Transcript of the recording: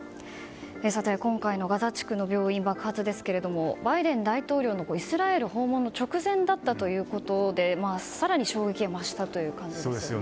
今回のガザ地区の病院爆発ですがバイデン大統領のイスラエル訪問の直前だったということで更に衝撃が増したという感じですよね。